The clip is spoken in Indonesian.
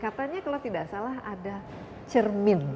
katanya kalau tidak salah ada cermin